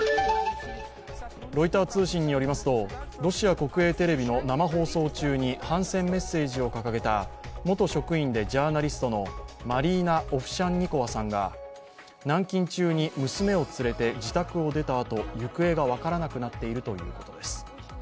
ロイター通信によりますと、ロシア国営テレビの生放送中に反戦メッセージを掲げた元職員でジャーナリストのマリーナ・オフシャンニコワさんが軟禁中に娘を連れて自宅を出たあと、行方が分からなくなっているということです。